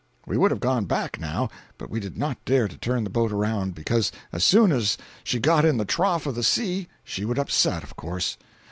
We would have gone back, now, but we did not dare to turn the boat around, because as soon as she got in the trough of the sea she would upset, of course.